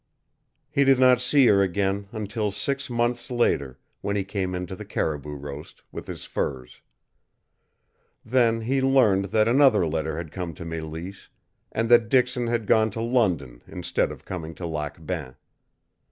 He did not see her again until six months later, when he came in to the caribou roast, with his furs. Then he learned that another letter had come to Mélisse, and that Dixon had gone to London instead of coming to Lac Bain.